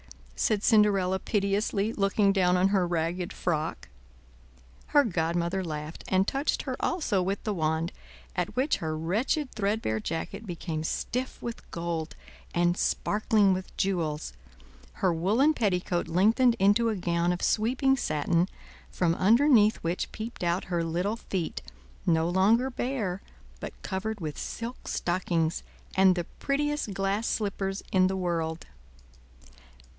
said Cinderella piteously, looking down on her ragged frock. Her godmother laughed, and touched her also with the wand; at which her wretched threadbare jacket became stiff with gold, and sparkling with jewels; her woolen petticoat lengthened into a gown of sweeping satin, from underneath which peeped out her little feet, no longer bare, but covered with silk stockings, and the prettiest glass slippers in the world.